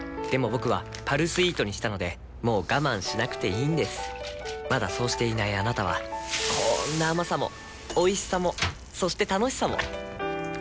僕は「パルスイート」にしたのでもう我慢しなくていいんですまだそうしていないあなたはこんな甘さもおいしさもそして楽しさもあちっ。